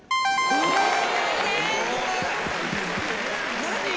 何？